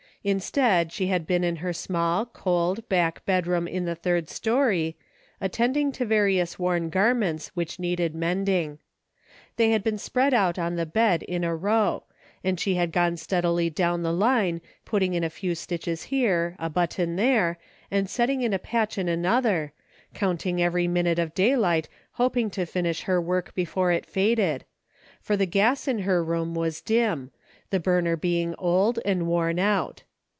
Instead, she had been in her small, cold, back bedroom in the third story, attending to various worn garments Avhich needed mending. They had been spread out on the bed in a row, and she had gone steadily down the line putting a few stitches here, a button there, and setting in a patch in another, counting every minute of daylight hoping to finish her work before it faded, for the gas in her room was dim, the burner being old and worn out.